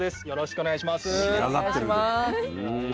よろしくお願いします。